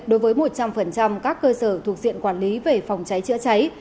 đối với một trăm linh các cơ sở thuộc diện quản lý về phòng cháy chữa cháy